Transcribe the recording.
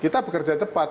kita harus bekerja cepat